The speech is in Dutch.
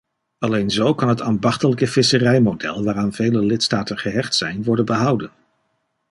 Alleen zo kan het ambachtelijke visserijmodel waaraan vele lidstaten gehecht zijn, worden behouden.